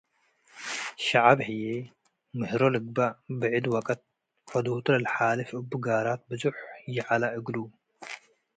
ሸዐብ ህዬ፣፡ ምህሮ ልግበእ ብዕድ ወቅት ፈዶቱ ለልሓልፍ እቡ ጋራት ብዞሕ ይዐለ እግሉ።